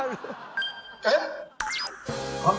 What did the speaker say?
えっ！